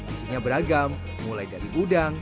isinya beragam mulai dari udang